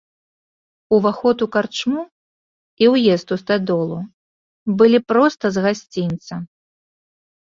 Уваход у карчму і ўезд у стадолу былі проста з гасцінца.